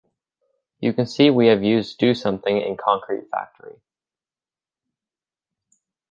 You can see we have used DoSomething in concreteFactory.